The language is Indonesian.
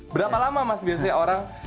berapa lama mas biasanya orang